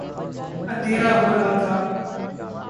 اندھیرا ہو رہا تھا۔